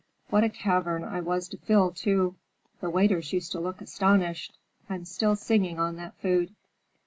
What a cavern I was to fill, too. The waiters used to look astonished. I'm still singing on that food."